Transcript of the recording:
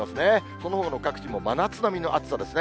そのほかの各地も真夏並みの暑さですね。